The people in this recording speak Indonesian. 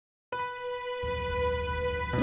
antik terserot ya